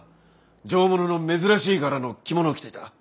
上物の珍しい柄の着物を着ていた。